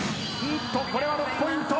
これは６ポイント。